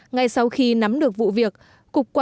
ngay sau khi nắm được vụ việc